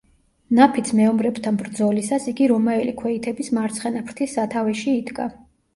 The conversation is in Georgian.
ნაფიც მეომრებთან ბრძოლისას იგი რომაელი ქვეითების მარცხენა ფრთის სათავეში იდგა.